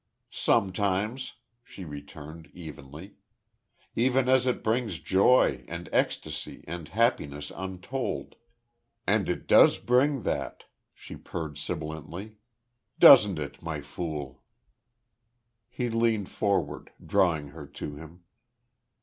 "Sometimes," she returned, evenly. "Even as it brings joy, and ecstasy and happiness untold.... And it does bring that," she purred, sibilantly. "Doesn't it, My Fool?" He leaned forward, drawing her to him.